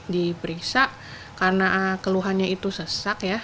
di periksa karena keluhannya itu sesak ya